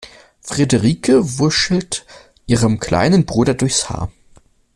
Frederike wuschelt ihrem kleinen Bruder durchs Haar.